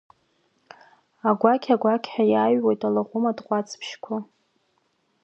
Агәақь-агәақь ҳәа иааҩуеит алаӷәым тҟәацыбжьқәа.